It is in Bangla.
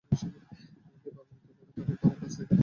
এমনকি বাবার মৃত্যুর পরও তাঁকে বাবার লাশ দেখতে যেতে দেননি শেখ নূর।